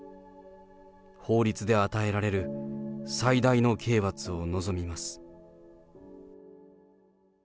法律で与えられる最大の刑罰を望みます。